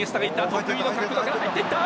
得意の角度から入っていった！